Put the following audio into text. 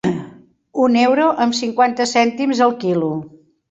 Un euro amb cinquanta cèntims el quilo.